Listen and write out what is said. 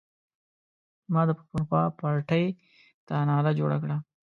ما د پښتونخوا پارټۍ ته نعره جوړه کړه.